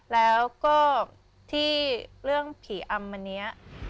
แล้วก็ที่เรื่องผีอำวันนี้